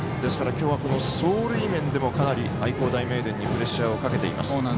今日は、走塁面でもかなり愛工大名電にプレッシャーをかけています。